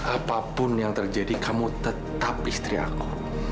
apapun yang terjadi kamu tetap istri aku